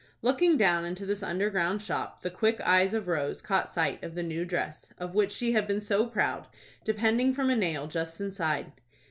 Looking down into this under ground shop, the quick eyes of Rose caught sight of the new dress, of which she had been so proud, depending from a nail just inside.